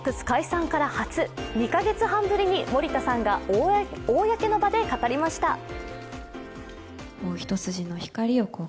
Ｖ６解散から初、２カ月ぶりに森田さんが公の場で語りました。